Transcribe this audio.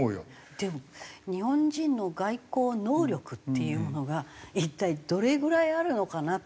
でも日本人の外交能力っていうものが一体どれぐらいあるのかなと。